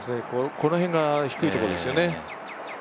この辺が低いところですよね。